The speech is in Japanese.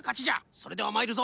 それではまいるぞ！